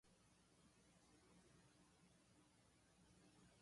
夕焼け空の美しさに息をのんだ